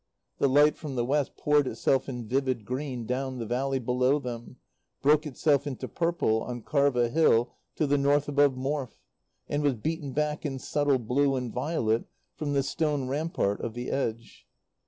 The light from the west poured itself in vivid green down the valley below them, broke itself into purple on Karva Hill to the north above Morfe, and was beaten back in subtle blue and violet from the stone rampart of the Edge.